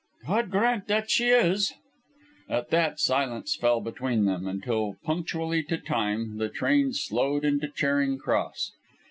"God grant that she is!" At that, silence fell between them, until punctually to time, the train slowed into Charing Cross.